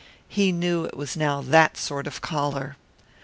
He knew it was now that sort of collar.